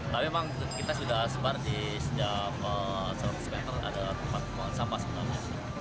tapi memang kita sudah sebar di setiap seratus meter ada tempat buang sampah sebenarnya